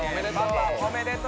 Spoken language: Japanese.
おめでとう！